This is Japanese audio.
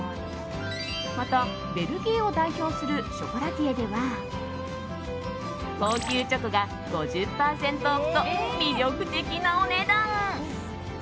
またベルギーを代表するショコラティエでは高級チョコが５０％オフと魅力的なお値段！